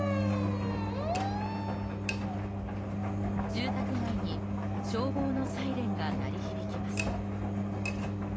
住宅街に消防のサイレンが鳴り響きます。